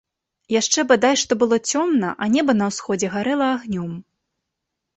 Яшчэ бадай што было цёмна, а неба на ўсходзе гарэла агнём.